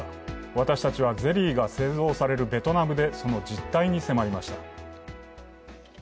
私たちはゼリーが製造されるベトナムでその実態に迫りました。